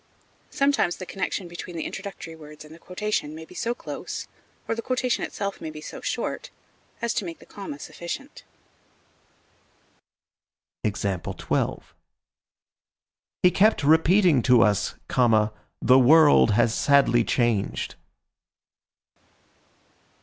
Sometimes the connexion between the introductory words and the quotation may be so close, or the quotation itself may be so short, as to make the comma sufficient. He kept repeating to us, "The world has sadly changed."